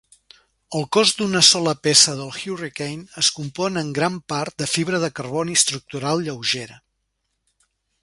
El cos d'una sola peça del Hurricane es compon en gran part de fibra de carboni estructural lleugera.